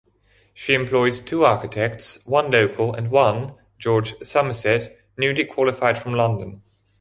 She employs two architects, one local and one, George Somerset, newly qualified from London.